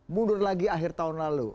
mundur lagi akhir tahun lalu